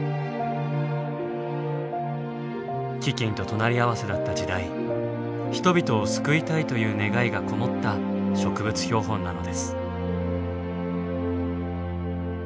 飢饉と隣り合わせだった時代人々を救いたいという願いがこもった植物標本なのです。